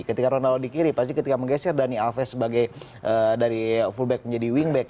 ketika ronaldo di kiri pasti ketika menggeser dani alves sebagai dari fullback menjadi wingback